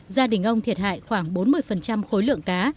gia đình ông thiệt hại khoảng bốn mươi khối lượng cá